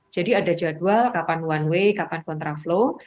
jadi ada jadwal kapan one way kapan contraflow